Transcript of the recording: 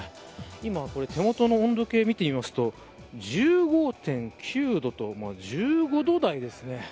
今、手元の温度計を見てみますと１５．９度と１５度台ですね。